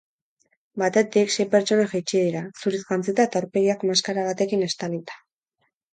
Batetik sei pertsona jaitsi dira, zuriz jantzita eta aurpegiak maskara batekin estalita.